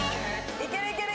いけるいける。